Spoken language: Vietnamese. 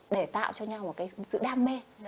để tạo cho nhau một cái sự đam mê